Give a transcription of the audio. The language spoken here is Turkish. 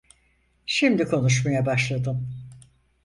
Şimdi konuşmaya başladın.